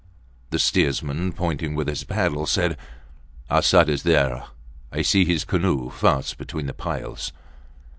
The steersman, pointing with his paddle, said, Arsat is there. I see his canoe fast between the piles.